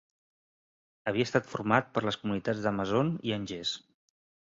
Havia esta format per les comunitats de Masson i Angers.